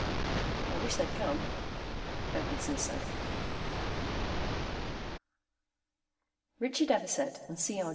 "I wish they'd come," Edwardson said. Richard Everset and C. R.